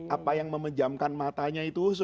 apa yang memejamkan matanya itu